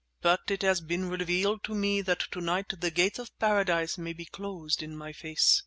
But it has been revealed to me that to night the gates of Paradise may be closed in my face."